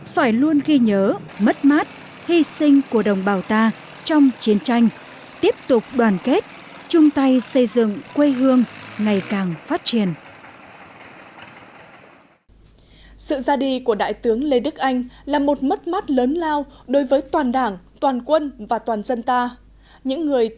phải luôn ghi nhớ mất mát hy sinh của đồng bào ta trong chiến tranh tiếp tục đoàn kết chung tay xây dựng quê hương ngày càng phát triển